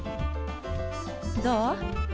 どう？